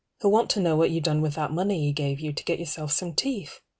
He'll want to know what you done with that money he gave you To get yourself some teeth.